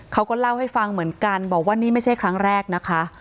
เขาก็เล่าให้ฟังเหมือนกันบอกว่านี่ไม่ใช่ครั้งแรกนะคะ